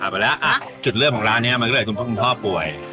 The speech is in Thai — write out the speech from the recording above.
ไปแล้วจุดเริ่มของร้านนี้มันก็เลยคุณพ่อป่วย